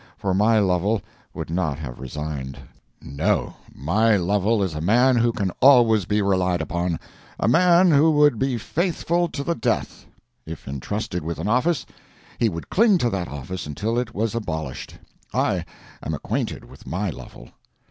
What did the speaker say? For my Lovel would not have resigned. No; my Lovel is a man who can always be relied upon—a man who would be faithful to the death. If intrusted with an office, he would cling to that office until it was abolished. I am acquainted with my Lovel.